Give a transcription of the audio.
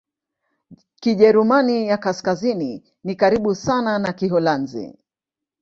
Kijerumani ya Kaskazini ni karibu sana na Kiholanzi.